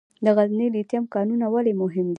د غزني لیتیم کانونه ولې مهم دي؟